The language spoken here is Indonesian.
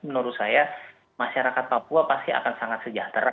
menurut saya masyarakat papua pasti akan sangat sejahtera